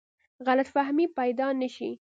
غلط فهمۍ پیدا نه شي.